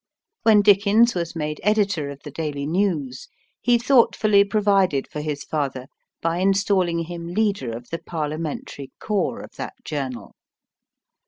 When Dickens was made editor of the Daily News, he thoughtfully provided for his father by installing him leader of the Parliamentary Corps of that journal.